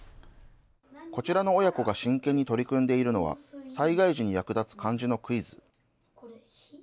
こちらの親子が真剣に取り組んでいるのは、災害時に役立つ漢字のクイズ。